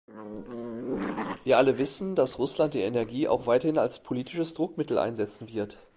Wir alle wissen, dass Russland die Energie auch weiterhin als politisches Druckmittel einsetzen wird.